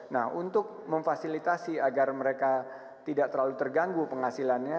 nah untuk memfasilitasi agar mereka tidak terlalu terganggu penghasilannya